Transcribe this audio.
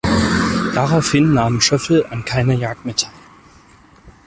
Daraufhin nahm Schöffel an keiner Jagd mehr teil.